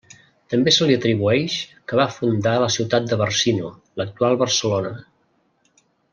També se li atribueix que va fundar la ciutat de Barcino, l'actual Barcelona.